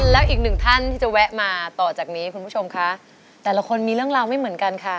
แล้วอีกหนึ่งท่านที่จะแวะมาต่อจากนี้คุณผู้ชมคะแต่ละคนมีเรื่องราวไม่เหมือนกันค่ะ